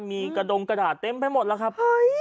มีกระดงกระดาษเต็มไปหมดแล้วครับ